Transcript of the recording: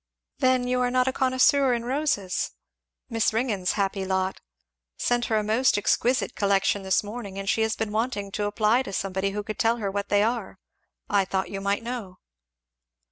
"Then you are not a connoisseur in roses? Miss Ringgan's happy lot sent her a most exquisite collection this morning, and she has been wanting to apply to somebody who could tell her what they are I thought you might know.